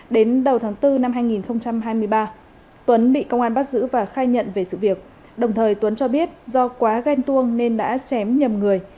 đến đầu tháng bốn năm hai nghìn hai mươi ba tuấn bị công an bắt giữ và khai nhận về sự việc đồng thời tuấn cho biết do quá ghen tuông nên đã chém nhầm người